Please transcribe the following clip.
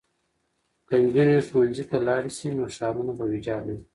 که نجونې ښوونځي ته لاړې شي نو ښارونه به ویجاړ نه وي.